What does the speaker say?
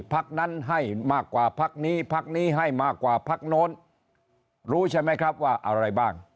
พักนั้นให้มากกว่าพักนี้พักนี้ให้มากกว่าพักโน่น